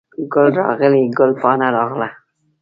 ګل راغلی، ګل پاڼه راغله